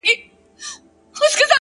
o وي د غم اوږدې كوڅې په خامـوشۍ كي؛